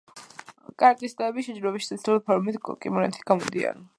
კარატისტები შეჯიბრებებში სპეციალური ფორმით, კიმონოთი გამოდიან.